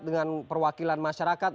dengan perwakilan masyarakat